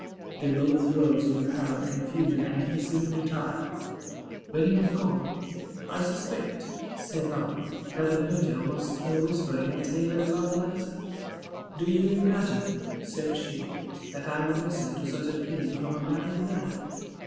They both rose in apparent confusion, and he soon retired. When he was gone, "I suspect," said I, "that the major was whispering a tale of love, Eliza." "Do you imagine," said she, "that I would listen to such a theme from a married man?"